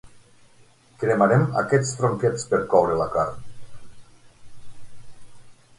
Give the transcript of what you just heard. Cremarem aquests tronquets per coure la carn.